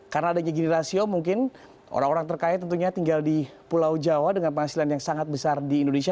karena adanya gini rasio mungkin orang orang terkaya tentunya tinggal di pulau jawa dengan penghasilan yang sangat besar di indonesia